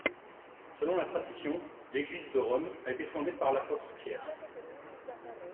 Selon la tradition, l'Église de Rome a été fondée par l'apôtre Pierre.